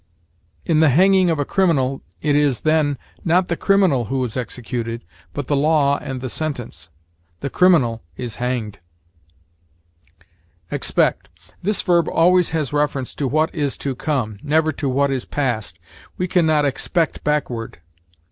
In the hanging of a criminal, it is, then, not the criminal who is executed, but the law and the sentence. The criminal is hanged. EXPECT. This verb always has reference to what is to come, never to what is past. We can not expect backward.